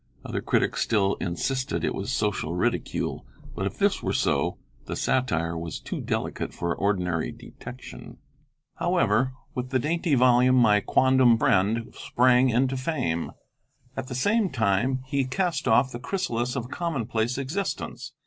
Other critics still insisted it was social ridicule: but if this were so, the satire was too delicate for ordinary detection. However, with the dainty volume my quondam friend sprang into fame. At the same time he cast off the chrysalis of a commonplace existence.